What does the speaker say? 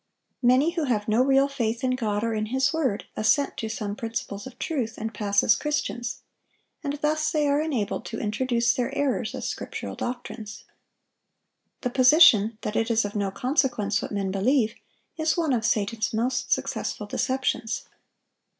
Many who have no real faith in God or in His word, assent to some principles of truth, and pass as Christians; and thus they are enabled to introduce their errors as scriptural doctrines. The position that it is of no consequence what men believe, is one of Satan's most successful deceptions.